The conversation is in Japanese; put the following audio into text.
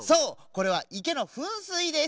これはいけのふんすいです。